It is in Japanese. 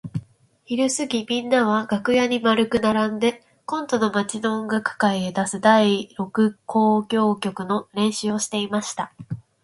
ひるすぎみんなは楽屋に円くならんで今度の町の音楽会へ出す第六交響曲の練習をしていました。